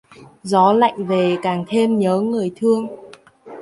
Gió lạnh về càng thêm nhớ người thương